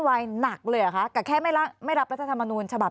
ไว้หนักเลยอ่ะค่ะกับแค่ไม่รับไม่รับรัฐธรรมนูนฉบับ